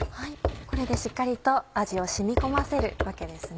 これでしっかりと味を染み込ませるわけですね。